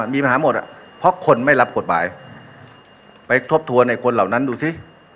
มีปัญหาหมดอ่ะเพราะคนไม่รับกฎหมายไปทบทวนในคนเหล่านั้นดูสิ